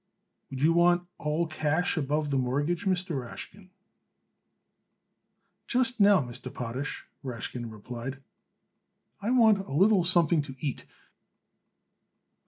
"Would you want all cash above the mortgage, Mr. Rashkin?" "Just now, Mr. Potash," Rashkin replied, "I want a little something to eat.